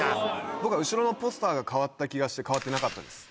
僕は後ろのポスターが変わった気がして変わってなかったです。